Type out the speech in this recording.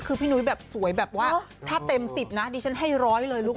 คือพี่นุ้ยแบบสวยแบบว่าถ้าเต็ม๑๐นะดิฉันให้ร้อยเลยลูก